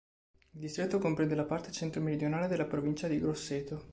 Il distretto comprende la parte centro-meridionale della provincia di Grosseto.